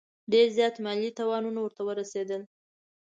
ډېر زیات مالي تاوانونه ورته ورسېدل.